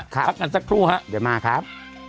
พักกันสักครู่ฮะเดี๋ยวมาครับ